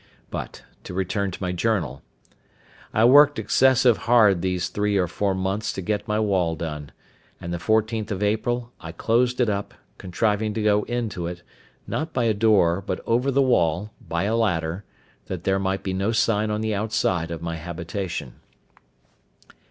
But to return to my Journal. I worked excessive hard these three or four months to get my wall done; and the 14th of April I closed it up, contriving to go into it, not by a door but over the wall, by a ladder, that there might be no sign on the outside of my habitation.